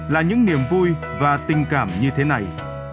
là những niềm vui và tình cảm như thế này